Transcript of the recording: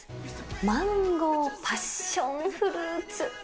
マンゴーパッションフルーツ。